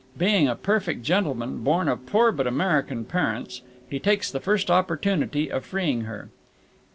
Being a perfect gentleman, born of poor but American parents, he takes the first opportunity of freeing her."